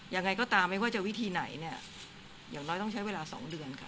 ยังไงก็ตามไม่ว่าจะวิธีไหนเนี่ยอย่างน้อยต้องใช้เวลา๒เดือนค่ะ